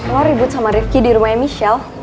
lo ribut sama rifqi di rumahnya michelle